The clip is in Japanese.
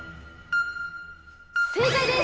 正解です。